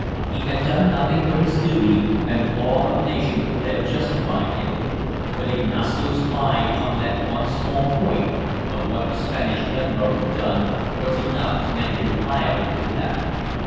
He had done nothing but his duty and the law of nations would have justified him. But Ignacio's lie upon that one small point (of what the Spanish gunboat had done) was enough to make him liable to death.